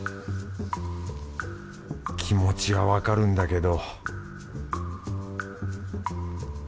気持ちはわかるんだけど